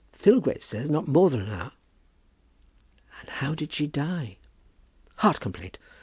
Filgrave says not more than an hour." "And how did she die?" "Heart complaint.